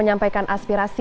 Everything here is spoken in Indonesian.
yang ket laws